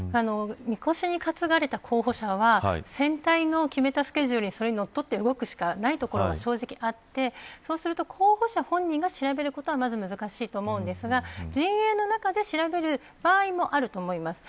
みこしに担がれた候補者は選対の決めたスケジュールにのっとって動くしかないところが正直あってそうすると候補者本人が調べることはまず難しいと思いますが陣営の中で調べる場合もあると思います。